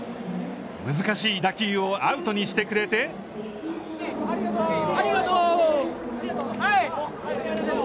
難しい打球をアウトにしてくれてありがとう。